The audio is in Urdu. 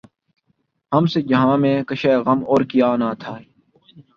ہم سے جہاں میں کشتۂ غم اور کیا نہ تھے